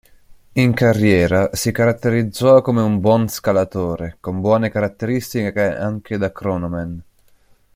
In carriera si caratterizzò come un buon scalatore, con buone caratteristiche anche da cronoman.